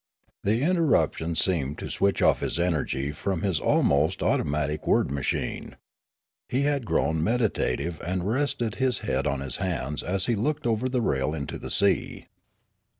The interruption seemed to switch off his energy from his almost automatic word machine. He had grown meditative and rested his The Voyage to Tirralaria 127 head on his hands as he looked over the rail into the sea.